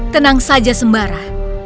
tenang saja sembara